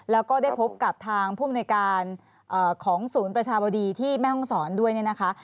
แล้วก็ได้พบกับทางผู้มนุยการของศูนย์ประชาบดีที่แม่ห้องศรด้วยเนี่ยนะคะ